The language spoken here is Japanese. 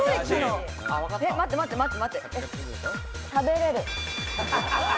食べれる。